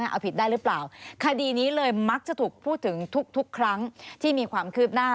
เอาผิดได้หรือเปล่าคดีนี้เลยมักจะถูกพูดถึงทุกครั้งที่มีความคืบหน้า